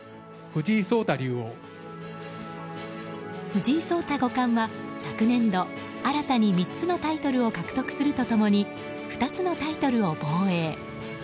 藤井聡太五冠は昨年度新たに３つのタイトルを獲得すると共に２つのタイトルを防衛。